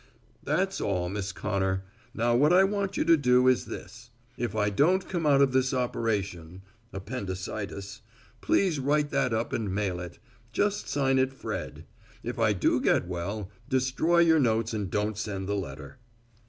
"That's all, Miss Connor. Now what I want you to do is this: If I don't come out of this operation appendicitis please write that up and mail it. Just sign it Fred. If I do get well, destroy your notes and don't send the letter.